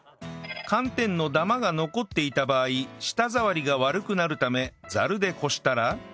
寒天のダマが残っていた場合舌触りが悪くなるためザルで濾したら